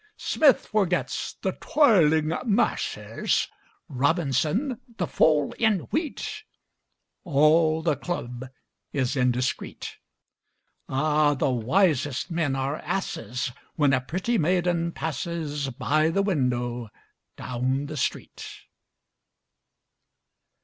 Smith forgets the "toiling masses," Robinson, the fall in wheat; All the club is indiscret. Ah, the wisest men are asses When a pretty maiden passes By the window down the street!